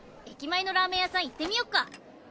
駅前のラーメン屋さん行ってみよっか！